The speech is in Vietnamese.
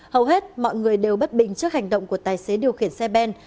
hầu hết mọi người đều bất bình trước hành động của tài xế điều khiển xe ben